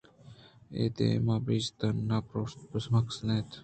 اے دمان ءَ بس تُنّ ءِ پرٛوشگ بُز ءِ مقصد ات